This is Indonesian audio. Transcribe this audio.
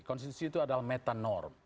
konstitusi itu adalah metanorm